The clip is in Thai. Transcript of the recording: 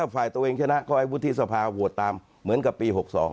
ฝ่ายตัวเองชนะก็ให้วุฒิสภาโหวตตามเหมือนกับปี๖๒